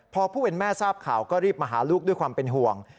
พอผู้เป็นแม่ทราบข่าวก็รีบมาหาลูกด้วยความเป็นห่วง